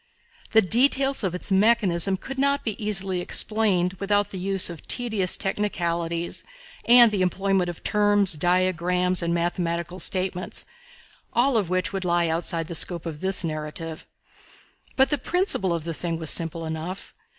The details of its mechanism could not be easily explained, without the use of tedious technicalities and the employment of terms, diagrams and mathematical statements, all of which would lie outside the scope of this narrative. But the principle of the thing was simple enough.